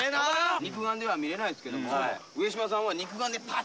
肉眼では見れないですけども上島さんは肉眼でパチン！